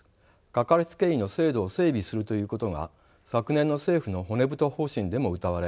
かかりつけ医の制度を整備するということが昨年の政府の骨太方針でもうたわれ